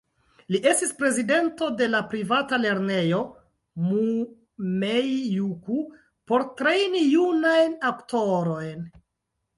Li estis prezidento de la privata lernejo "Mumei-juku" por trejni junajn aktorojn.